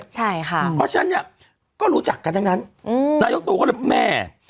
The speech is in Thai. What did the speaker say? เพราะฉะนั้นเนี่ยก็รู้จักกันทั้งนั้นนายกตู่ก็เลยแม่